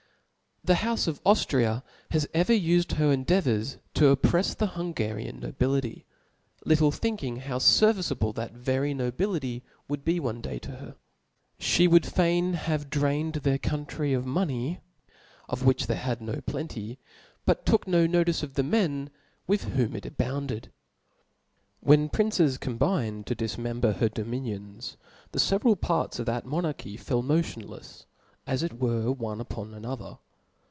The houfe of Auftria has ever ufed her endea yuyrs to opprei^ the Hungarian nobility ; little ^^ thinking. lyo T H E S F I R J T Book thinking how ferviccable that vxry nobility would Ch^p^*'' be one day to her. Sh6 would fain have drained their country of money, of which they had no plenty; but took no notice of the men, with whom it abounded. When princes combined to difmember her dominions, the feveral parts of that monarchy fell motionlefs, as it were, one. upon another.